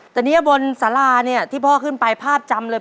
แต่เนี่ยบนสาราเนี่ยที่พ่อขึ้นไปภาพจำเลย